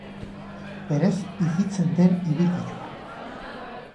Berez higitzen den ibilgailua.